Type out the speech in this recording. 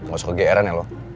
gak usah ke gr an ya lo